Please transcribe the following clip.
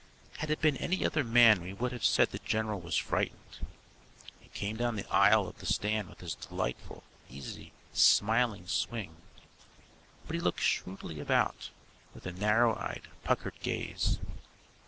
Had it been any other man we would have said the general was frightened. He came down the aisle of the stand with his delightful, easy, smiling swing; but he looked shrewdly about, with a narrow eyed, puckered gaze.